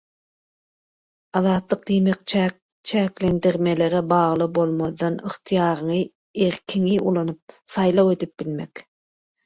Azatlyk diýmek çäklendirmelere bagly bolmazdan ygtyýaryňy, erkiňi ulanyp saýlaw edip bilmek